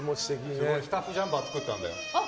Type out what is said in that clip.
ほら、スタッフジャンパー作ったんだよ。